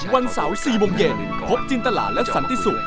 วันเสาร์๔โมงเย็นพบจินตลาและสันติศุกร์